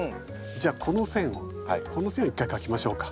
じゃあこの線をこの線を一回描きましょうか。